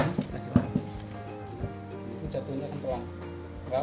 lalu jatuhnya akan pelan